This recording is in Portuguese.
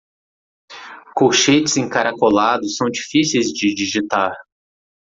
Colchetes encaracolados são difíceis de digitar.